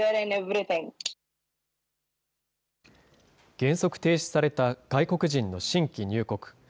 原則停止された外国人の新規入国。